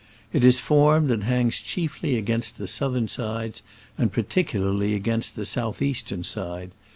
It is formed and hangs chiefly against the southern sides, and particularly against the south eastern side.